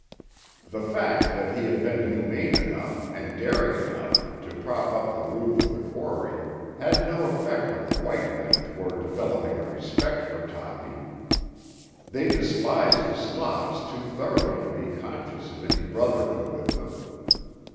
The fact that he had been humane enough, and daring enough, to prop up the roof of the quarry had no effect on the "white men" toward developing a respect for Toppy. They despised the Slavs too thoroughly to be conscious of any brotherhood with them.